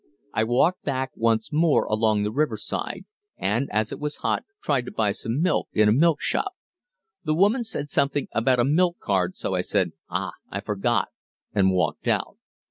I walked back once more along the riverside, and, as it was hot, tried to buy some milk in a milk shop. The woman said something about a milk card, so I said, "Ah, I forgot," and walked out.